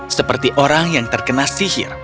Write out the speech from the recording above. seperti orang yang terkena sihir